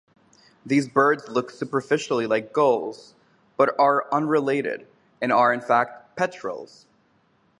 These birds look superficially like gulls, but are unrelated, and are in fact petrels.